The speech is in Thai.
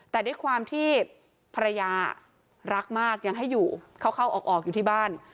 แต่ด้วยความที่ภรรยารักมากยังให้อยู่เข้าออกอยู่ที่บ้าน